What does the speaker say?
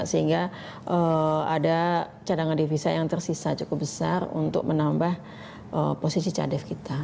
sehingga ada cadangan devisa yang tersisa cukup besar untuk menambah posisi cadef kita